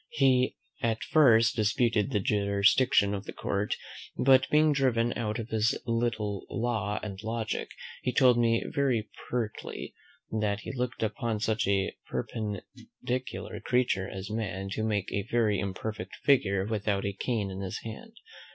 He at first disputed the jurisdiction of the court; but, being driven out of his little law and logic, he told me very pertly, "that he looked upon such a perpendicular creature as man to make a very imperfect figure without a cane in his hand.